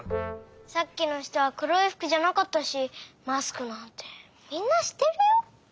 さっきの人はくろいふくじゃなかったしマスクなんてみんなしてるよ？